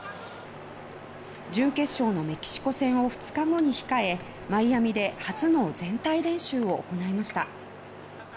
準決勝のメキシコ戦を２日後に控えマイアミで初の全体練習を行いました。